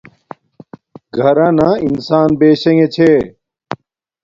گھرانا انسان بیشنگے چھے